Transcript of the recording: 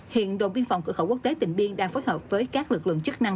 hiện đồng biên phòng cửa khẩu quốc tế tình biên đang phối hợp với các lực lượng chức năng